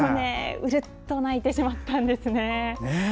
うるっと泣いてしまったんです。